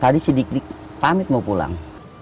tadi si diklik pamit mau pulang